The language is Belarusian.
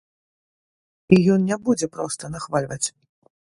І ён не будзе проста нахвальваць.